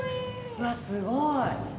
うわすごい。